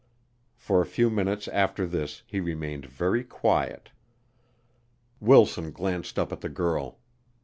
For a few minutes after this he remained very quiet. Wilson glanced up at the girl.